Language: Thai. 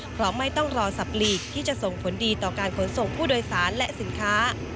เพราะไม่ต้องรอสับหลีกที่จะส่งผลดีต่อการขนส่งผู้โดยสารและสินค้า